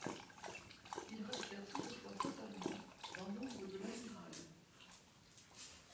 Ils restèrent toutefois totalement dans l’ombre de l’amiral.